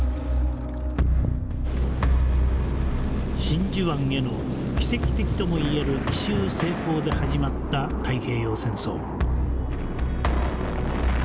真珠湾への奇跡的ともいえる奇襲成功で始まった太平洋戦争。